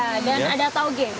dan ada tauge